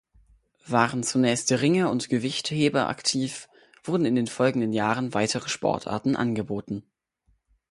Waren zunächst Ringer und Gewichtheber aktiv, wurden in den folgenden Jahren weitere Sportarten angeboten.